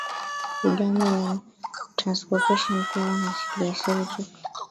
Uajemi na wa Transcaucasian pia wana asili ya Seljuk